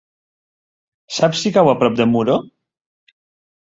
Saps si cau a prop de Muro?